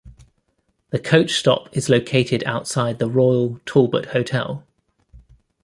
The coach stop is located outside the Royal Talbot Hotel.